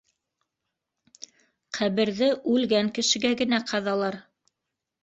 Ҡәберҙе үлгән кешегә генә ҡаҙалар.